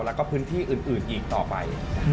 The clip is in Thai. แล้วก็พื้นที่อื่นอีกต่อไป